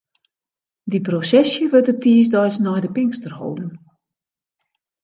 Dy prosesje wurdt de tiisdeis nei de Pinkster holden.